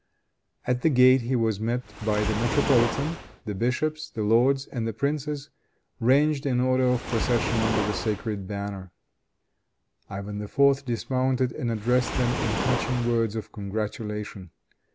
At the gate he was met by the metropolitan, the bishops, the lords and the princes ranged in order of procession under the sacred banner. Ivan IV. dismounted and addressed them in touching words of congratulation.